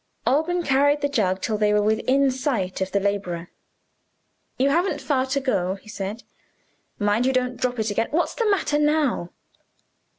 Alban carried the jug until they were within sight of the laborer. "You haven't far to go," he said. "Mind you don't drop it again What's the matter now?"